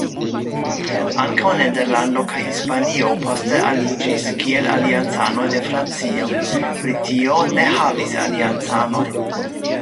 Ankaŭ Nederlando kaj Hispanio poste aliĝis kiel aliancanoj de Francio; Britio ne havis aliancanojn.